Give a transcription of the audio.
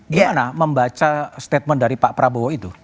gimana membaca statement dari pak prabowo itu